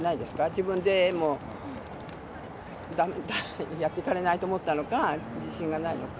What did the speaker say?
自分でもやっていかれないと思ったのか、自信がないのか。